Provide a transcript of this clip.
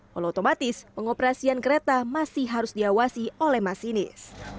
walau otomatis pengoperasian kereta masih harus diawasi oleh masinis